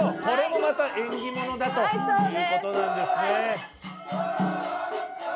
これもまた縁起物だということなんですね。